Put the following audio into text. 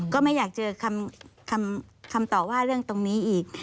ก็ไม่อยากเจอคำตอบว่าเรื่องตรงนี้อีก